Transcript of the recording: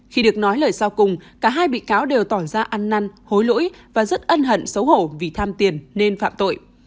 khi được nói lời sau cùng cả hai bị cáo đều tỏ ra ăn năn hối lỗi và rất ân hận xấu hổ vì tham tiền nên phạm tội